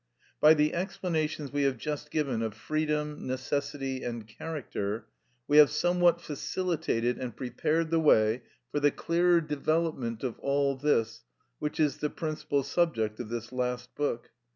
By the explanations we have just given of freedom, necessity, and character, we have somewhat facilitated and prepared the way for the clearer development of all this, which is the principal subject of this last book.